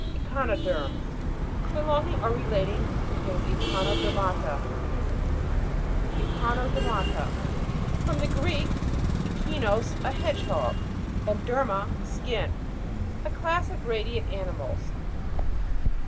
ECHI'NODERM. Belonging or relating to Echinodermata. ECHINODER'MATA. From the Greek, echinus, a hedge hog, and derma, skin. A class of radiate ani mals.